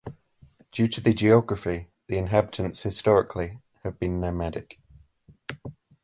Due to the geography, the inhabitants historically, have been nomadic.